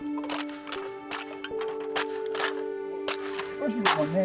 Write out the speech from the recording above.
少しでもね。